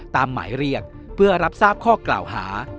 ตามหมายเรียกเพื่อรับทราบข้อกล่าวหา